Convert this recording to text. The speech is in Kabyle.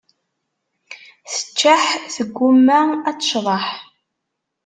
Teččeḥ, tegguma ad tecḍeḥ.